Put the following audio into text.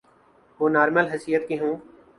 وہ نارمل حیثیت کے ہوں۔